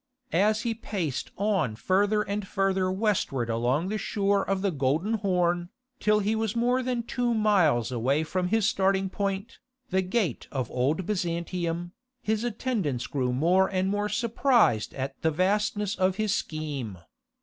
As he paced on further and further westward along the shore of the Golden Horn, till he was more than two miles away from his starting point, the gate of old Byzantium, his attendants grew more and more surprised at the vastness of his scheme.